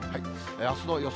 あすの予想